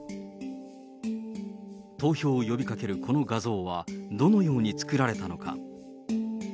投票を呼びかけるこの画像は、どのように作られたのか。